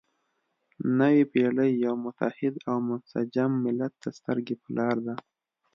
نوې پېړۍ یو متحد او منسجم ملت ته سترګې په لاره ده.